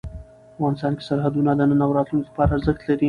افغانستان کې سرحدونه د نن او راتلونکي لپاره ارزښت لري.